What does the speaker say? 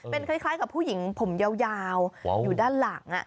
เป็นคล้ายกับผู้หญิงผมยาวอยู่ด้านหลัง